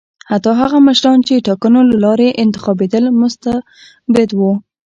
حتی هغه مشران چې ټاکنو له لارې انتخابېدل مستبد وو.